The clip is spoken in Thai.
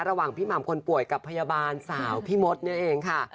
ระหว่างพี่หม่ำคนป่วยกับพยาบาลสาวพี่มดนี่เองค่ะ